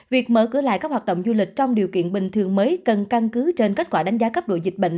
việc mở cửa lại các hoạt động du lịch trong điều kiện bình thường mới cần căn cứ trên kết quả đánh giá cấp độ dịch bệnh